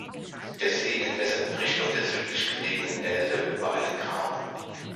Der See entwässert in Richtung der südlich gelegenen Elde über einen Graben.